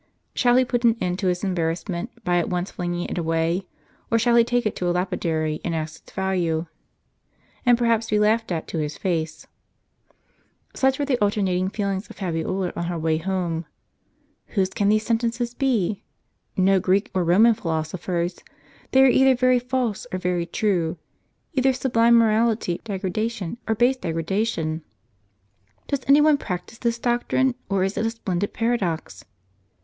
Shall he put an end to his embarrassment by at once flinging it away, or shall he take it to a lapidary, ask its value, and perhaps be laughed at to his face ? Such were the alternat ing feelings of Fabiola on her way home. "Whose can these sentences be ? No Greek or Roman philosopher's. They are either very false or very true, either sublime morality or base degradation. Does any one practise this doctrine, or is it a splendid paradox